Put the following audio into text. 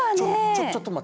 ちょちょっと待ってね！